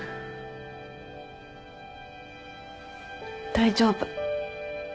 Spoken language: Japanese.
大丈夫。